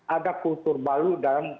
ada kultur baru dalam